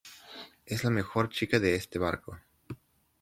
es la mejor chica de este barco